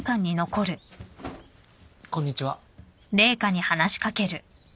こんにちは。